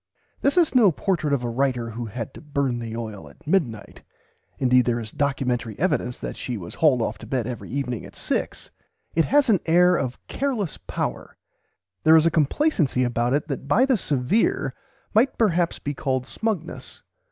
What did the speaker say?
This is no portrait of a writer who had to burn the oil at midnight (indeed there is documentary evidence that she was hauled off to bed every evening at six): it has an air of careless power; there is a complacency about it that by the severe might perhaps be called smugness.